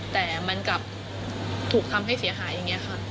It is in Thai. แต่มันกลับถูกทำให้เสียหายอย่างนี้ค่ะ